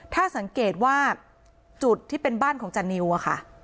ถ้าสังเกตว่าจุดที่เป็นบ้านของจานิวอะค่ะ